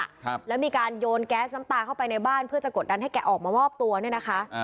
ครับแล้วมีการโยนแก๊สน้ำตาเข้าไปในบ้านเพื่อจะกดดันให้แกออกมามอบตัวเนี่ยนะคะอ่า